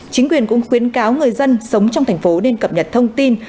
chính quyền cũng khuyến cáo người dân sống trong thành phố nên cập nhật thông tin